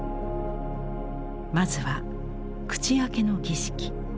まずは「口開けの儀式」。